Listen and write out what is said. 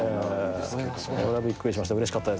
それはびっくりしました。